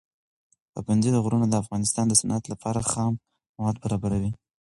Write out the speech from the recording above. پابندي غرونه د افغانستان د صنعت لپاره خام مواد برابروي.